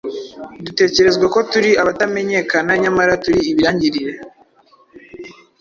dutekerezwa ko turi abatamenyekana, nyamara turi ibirangirire;